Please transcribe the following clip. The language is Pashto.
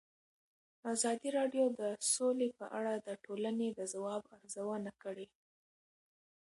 ازادي راډیو د سوله په اړه د ټولنې د ځواب ارزونه کړې.